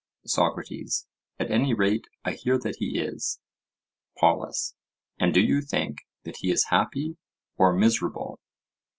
SOCRATES: At any rate I hear that he is. POLUS: And do you think that he is happy or miserable?